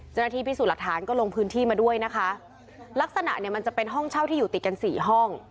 จนที่พิสูจน์หลักฐานก็ลงพื้นที่มาด้วยลักษณะมันจะเป็นห้องเช่าที่อยู่ติดกัน๔ห้อง